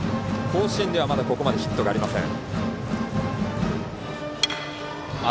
甲子園ではまだここまでヒットがありません。